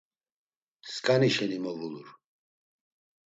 Skani şeni movulur.